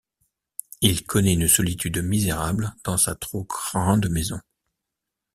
Il connaît une solitude misérable dans sa trop grande maison.